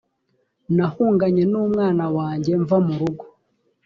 nahunganye n umwana wanjye mva mu rugo